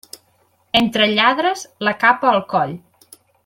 Entre lladres, la capa al coll.